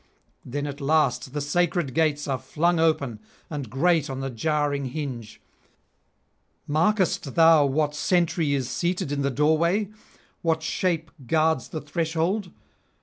Then at last the sacred gates are flung open and grate on the jarring hinge. Markest thou what sentry is seated in [575 609]the doorway? what shape guards the threshold?